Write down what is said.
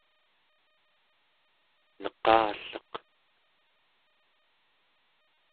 neqalleq